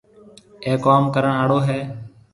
اَي ڪوم ڪرڻ آݪو هيَ۔